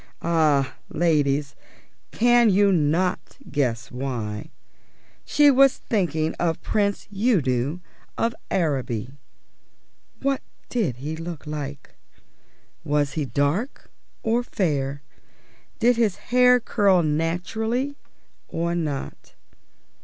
Ah, ladies, can you not guess why? She was thinking of Prince Udo of Araby. What did he look like? Was he dark or fair? Did his hair curl naturally or not?